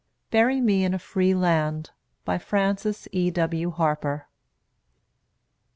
BURY ME IN A FREE LAND. BY FRANCES E. W. HARPER.